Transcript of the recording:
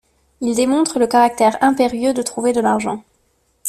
Il démontre le caractère impérieux de trouver de l'argent.